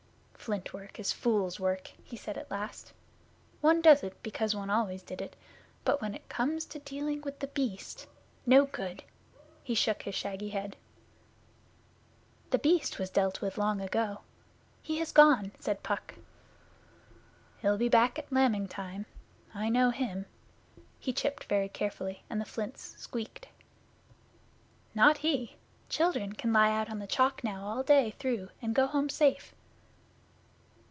'Flint work is fool's work,' he said at last. 'One does it because one always did it; but when it comes to dealing with The Beast no good!' He shook his shaggy head. 'The Beast was dealt with long ago. He has gone,' said Puck. 'He'll be back at lambing time. I know him.' He chipped very carefully, and the flints squeaked. 'Not he. Children can lie out on the Chalk now all day through and go home safe.